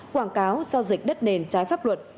quảng cáo giao dịch đất nền trái pháp luật